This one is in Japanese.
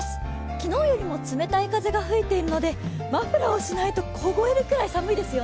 昨日よりも冷たい風が吹いているのでマフラーをしないと凍えるくらい寒いですよ。